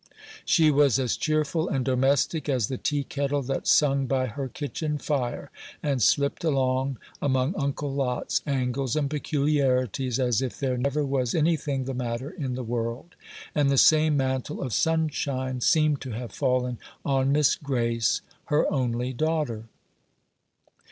She was as cheerful and domestic as the tea kettle that sung by her kitchen fire, and slipped along among Uncle Lot's angles and peculiarities as if there never was any thing the matter in the world; and the same mantle of sunshine seemed to have fallen on Miss Grace, her only daughter.